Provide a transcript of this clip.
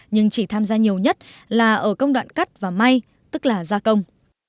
nhưng chỉ tham gia nhiều nhất là ở công đoạn cắt và may tức là gia công